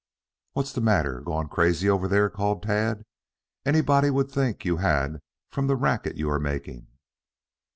"What's the matter, gone crazy over there!" called Tad. "Anybody would think you had from the racket you are making."